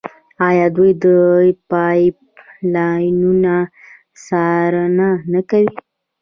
آیا دوی د پایپ لاینونو څارنه نه کوي؟